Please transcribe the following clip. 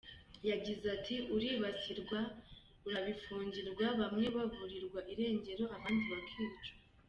Yagize ati: "Uribasirwa, urabifungirwa, bamwe baburirwa irengero, abandi bakicwa.